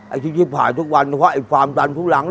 ไอ้ที่ชิบหายทุกวันไอ้ฟาร์มดันทุกรัง